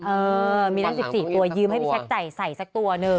เออมีทั้ง๑๔ตัวยืมให้พี่แจ๊คใส่สักตัวหนึ่ง